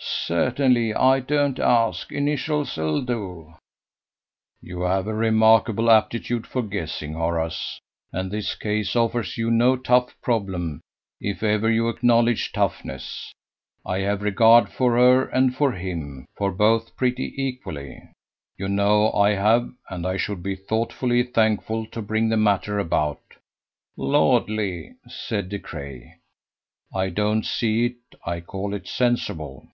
"Certainly. I don't ask. Initials'll do." "You have a remarkable aptitude for guessing, Horace, and this case offers you no tough problem if ever you acknowledged toughness. I have a regard for her and for him for both pretty equally; you know I have, and I should be thoroughly thankful to bring the matter about." "Lordly!" said De Craye. "I don't see it. I call it sensible."